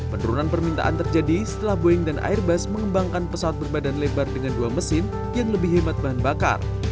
penurunan permintaan terjadi setelah boeing dan airbus mengembangkan pesawat berbadan lebar dengan dua mesin yang lebih hemat bahan bakar